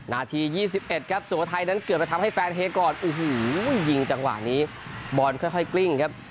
นาที๒๑ครับสวท้ายนั้นเกือบไปทำให้ฟานเฮกก่อนอูหูยิงจังหวะนี้บอลค่อยกล้ิ้งครับ